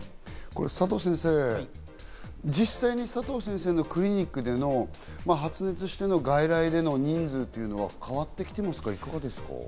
佐藤先生、実際に佐藤先生のクリニックでの発熱しての外来での人数というのは変わって来ていますか？